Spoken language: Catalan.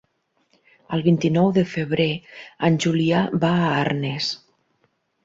El vint-i-nou de febrer en Julià va a Arnes.